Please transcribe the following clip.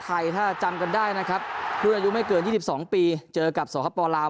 ไทยถ้าจำกันได้นะครับรุ่นอายุไม่เกิน๒๒ปีเจอกับสคปลาว